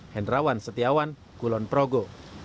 hendrawan setiawan kulon progo